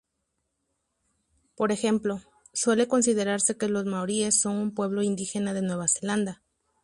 Por ejemplo, suele considerarse que los maoríes son un pueblo indígena de Nueva Zelanda.